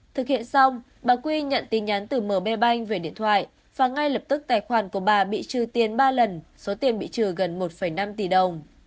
thực hiện xong bà quy nhận tin nhắn từ mb bank về điện thoại và ngay lập tức tài khoản của bà bị trừ tiền ba lần số tiền bị trừ gần một năm tỷ đồng